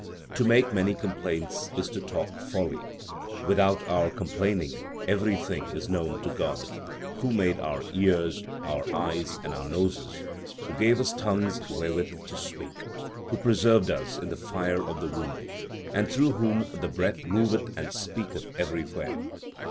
To make many complaints is to talk folly Without our complaining everything is known to God, Who made our ears, our eyes, and our noses ; Who gave us tongues wherewith to speak ; Who preserved us in the fire of the womb ; And through whom the breath moveth and speaketh every where.